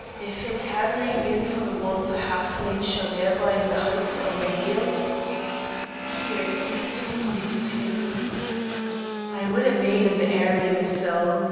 It it hadnae been for the want o' a half inch or thereby in the height o' my heels " here he stood upon his toes "I wad hae been in the airmy mysel'.